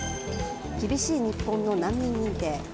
厳しい日本の難民認定。